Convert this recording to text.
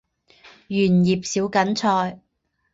圆叶小堇菜